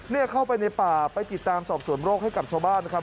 เข้าไปในป่าไปติดตามสอบส่วนโรคให้กับชาวบ้านนะครับ